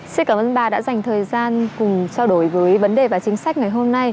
xin cảm ơn bà đã dành thời gian cùng trao đổi với vấn đề và chính sách ngày hôm nay